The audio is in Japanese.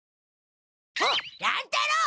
あっ乱太郎！